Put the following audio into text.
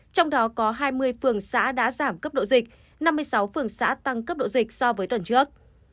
trong đó có hai mươi phường xã đã giảm cấp độ dịch năm mươi sáu phường xã tăng cấp độ dịch so với tuần trước